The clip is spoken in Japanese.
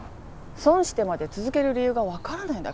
損してまで続ける理由がわからないんだけど。